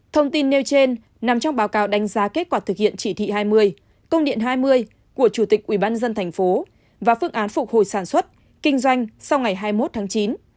thông tin nêu trên nằm trong báo cáo đánh giá kết quả thực hiện chỉ thị hai mươi công điện hai mươi của chủ tịch ubnd tp và phương án phục hồi sản xuất kinh doanh sau ngày hai mươi một tháng chín